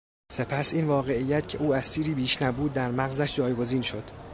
سپس این واقعیت که او اسیری بیش نبود در مغزش جایگزین شد.